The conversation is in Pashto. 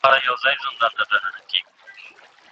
او یو موټی کولو لپاره